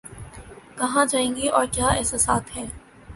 کہاں جائیں گی اور کیا احساسات ہیں